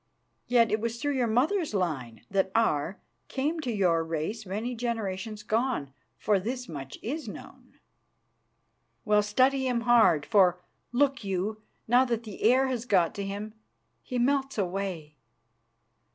Yet it was through your mother's line that Aar came to your race many generations gone, for this much is known. Well, study him hard, for, look you, now that the air has got to him, he melts away."